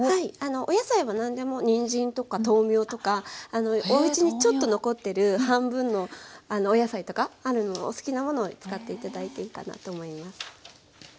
お野菜は何でもにんじんとか豆苗とかおうちにちょっと残ってる半分のお野菜とかあるのをお好きなものを使って頂いていいかなと思います。